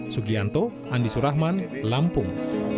sugianto andi surahman lampung